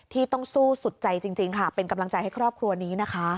ที่ต้องสู้สุดใจจริงค่ะเป็นกำลังใจให้ครอบครัวนี้นะคะ